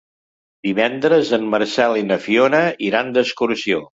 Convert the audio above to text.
Divendres en Marcel i na Fiona iran d'excursió.